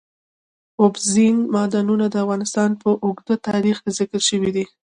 اوبزین معدنونه د افغانستان په اوږده تاریخ کې ذکر شوی دی.